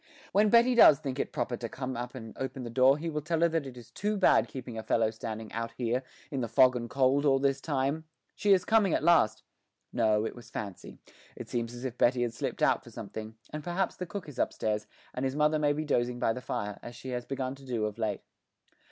When Betty does think proper to come up and open the door he will tell her that it is too bad keeping a fellow standing out here, in the fog and cold, all this time.... She is coming at last no, it was fancy; it seems as if Betty had slipped out for something, and perhaps the cook is upstairs, and his mother may be dozing by the fire, as she has begun to do of late.